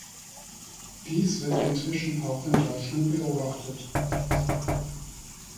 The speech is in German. Dies wird inzwischen auch in Deutschland beobachtet.